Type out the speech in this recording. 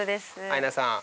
アイナさん